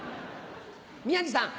宮治さん。